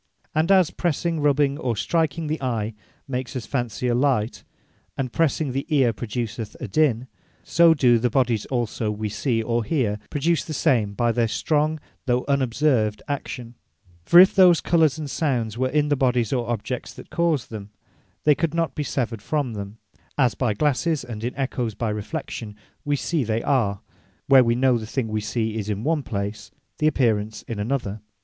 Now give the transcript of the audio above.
And as pressing, rubbing, or striking the Eye, makes us fancy a light; and pressing the Eare, produceth a dinne; so do the bodies also we see, or hear, produce the same by their strong, though unobserved action, For if those Colours, and Sounds, were in the Bodies, or Objects that cause them, they could not bee severed from them, as by glasses, and in Ecchoes by reflection, wee see they are; where we know the thing we see, is in one place; the apparence, in another.